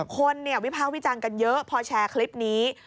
คนวิพาพวิจังเยอะพอแชร์คลิปนี้